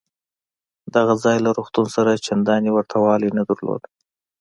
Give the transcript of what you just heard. دغه ځای له روغتون سره چندانې ورته والی نه درلود.